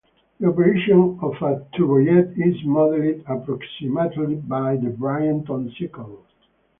The operation of a turbojet is modelled approximately by the Brayton cycle.